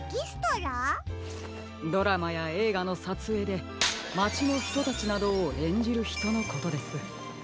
ドラマやえいがのさつえいでまちのひとたちなどをえんじるひとのことです。